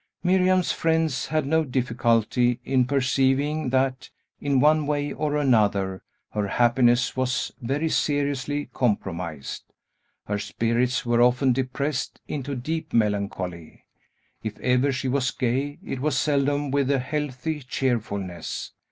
Miriam's friends had no difficulty in perceiving that, in one way or another, her happiness was very seriously compromised. Her spirits were often depressed into deep melancholy. If ever she was gay, it was seldom with a healthy cheerfulness.